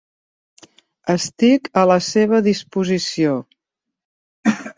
Estic a la seva disposició.